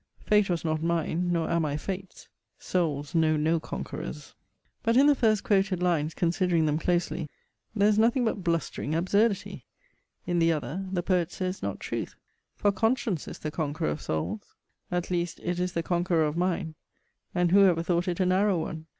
Fate was not mine: nor am I Fate's Souls know no conquerors. But in the first quoted lines, considering them closely, there is nothing but blustering absurdity; in the other, the poet says not truth; for CONSCIENCE is the conqueror of souls; at least it is the conqueror of mine; and who ever thought it a narrow one?